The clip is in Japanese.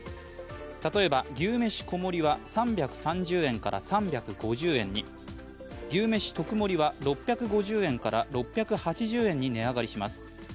例えば牛めし小盛は３３０円から３５０円に、牛めし特盛は６５０円から６８０円に値上がりします。